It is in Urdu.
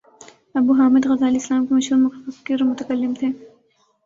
ابو حامد غزالی اسلام کے مشہور مفکر اور متکلم تھے